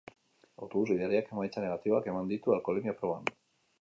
Autobus gidariak emaitza negatiboak eman ditu alkoholemia proban.